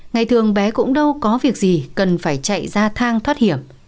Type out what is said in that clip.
ngày thường bé cũng đâu có việc gì cần phải chạy ra thang thoát hiểm